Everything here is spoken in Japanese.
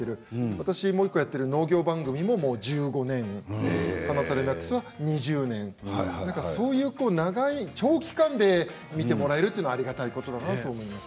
私がやっている農業番組を１５年「ハナタレナックス」は２０年長期間で見てもらえるというのはありがたいことだと思います。